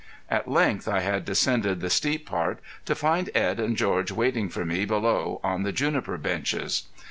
At length I had descended the steep part to find Edd and George waiting for me below on the juniper benches.